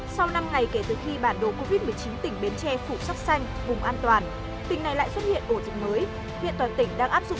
sau năm ngày kể từ khi bản đồ covid một mươi chín tỉnh bến tre phụ sắc xanh vùng an toàn tỉnh này lại xuất hiện ổ dịch mới